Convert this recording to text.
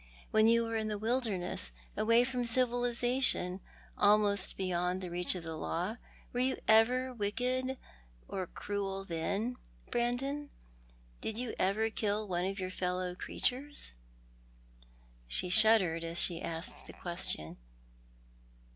AVheu you were in the wilderness, away from civilisation, almost beyond the reach of the law, were you ever wicked or cruel then, Brandon ? Did you ever kill one of your fellow creatures? " She shuddered as she asked the question.